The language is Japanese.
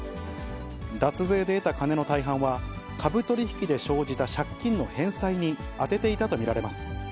脱税で得た金の大半は、株取り引きで生じた借金の返済に充てていたと見られます。